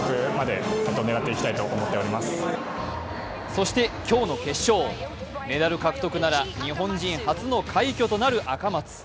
そして今日の決勝メダル獲得なら日本人初の快挙となる赤松。